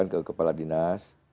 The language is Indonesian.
ke kepala dinas